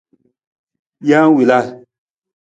Jee wila.